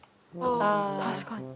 確かに。